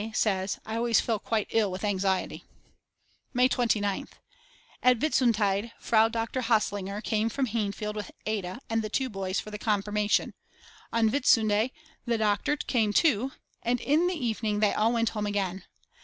says: I always feel quite ill with anxiety. May 29th. At Whitsuntide Frau Doctor Haslinger came from Hainfeld with Ada and the two boys for the confirmation. On Whitsunday the doctor came too and in the evening they all went home again.